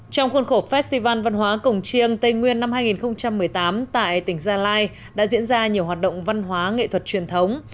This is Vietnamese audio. trong khuôn khổ festival văn hóa cổng chiêng tây nguyên năm hai nghìn một mươi tám tại tỉnh gia lai đã diễn ra nhiều hoạt động văn hóa nghệ thuật truyền thống